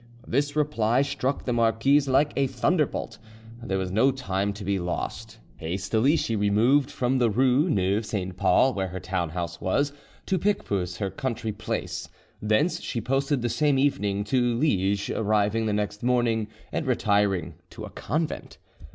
This reply struck the marquise like a thunderbolt. There was no time to be lost: hastily she removed from the rue Neuve Saint Paul, where her town house was, to Picpus, her country place. Thence she posted the same evening to Liege, arriving the next morning, and retired to a convent.